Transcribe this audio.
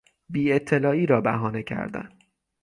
بی اطلاعی را بهانه کردن